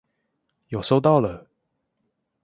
有收到了